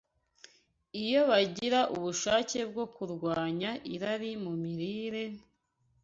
Iyo bagira ubushake bwo kurwanya irari mu mirire,